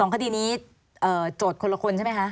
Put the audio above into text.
คดีนี้โจทย์คนละคนใช่ไหมคะ